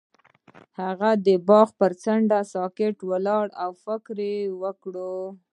هغه د باغ پر څنډه ساکت ولاړ او فکر وکړ.